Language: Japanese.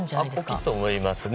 大きいと思いますね。